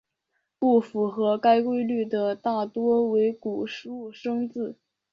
不符合该规律的大多为古入声字。